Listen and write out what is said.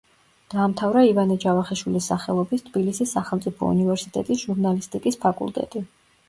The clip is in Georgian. დაამთავრა ივანე ჯავახიშვილის სახელობის თბილისის სახელმწიფო უნივერსიტეტის ჟურნალისტიკის ფაკულტეტი.